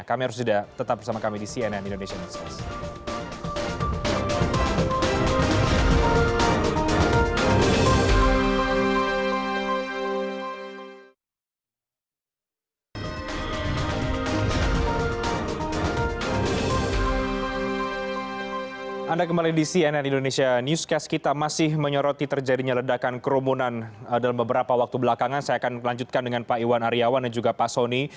kami harus sudah tetap bersama kami di cnn indonesian newscast